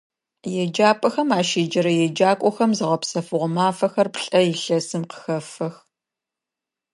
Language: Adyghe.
Еджапӏэхэм ащеджэрэ еджакӏохэм зыгъэпсэфыгъо мафэхэр плӏэ илъэсым къыхэфэх.